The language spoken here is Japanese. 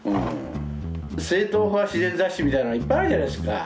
正統派自然雑誌みたいなのいっぱいあるじゃないですか。